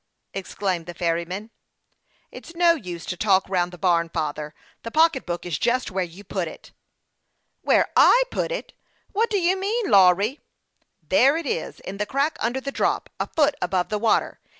" exclaimed the ferryman, betraying no little agitation. " It's no use to talk round the barn, father ; the pocketbook is just where you put it." " Where I put it ? What do you mean, Lawry ?"" There it is in the crack under the drop, a foot above the water.